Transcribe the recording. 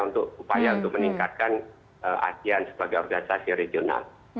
untuk upaya untuk meningkatkan asean sebagai organisasi regional